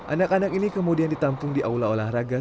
anak anak ini kemudian ditampung di aula olahraga